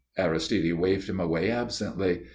_" Aristide waved him away absently.